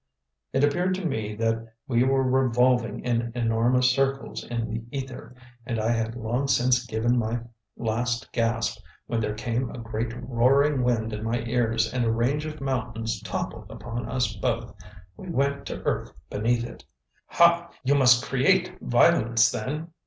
It appeared to me that we were revolving in enormous circles in the ether, and I had long since given my last gasp, when there came a great roaring wind in my ears and a range of mountains toppled upon us both; we went to earth beneath it. "Ha! you must create violence, then?"